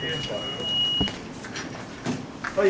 はい。